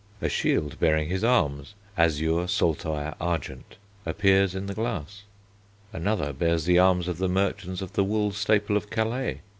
A shield bearing his arms (azure, saltire argent) appears in the glass; another bears the arms of the Merchants of the Wool staple of Calais.